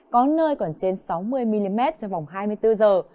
có nơi còn trên sáu mươi mm trong vòng hai mươi bốn giờ